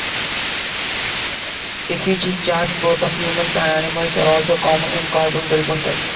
Effigy jars, both of humans and animals, are also common in Caborn-Welborn sites.